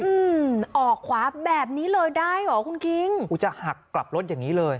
อืมออกขวาแบบนี้เลยได้เหรอคุณคิงกูจะหักกลับรถอย่างงี้เลย